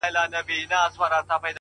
زه یې نه سمه لیدلای چي ستا ښکار وي-